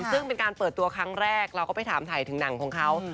ซึ่งเป็นการเปิดตัวครั้งแรกเราก็ไปถามถ่ายถึงหนังของเขา